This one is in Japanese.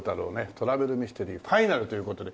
トラベルミステリー・ファイナル』という事で。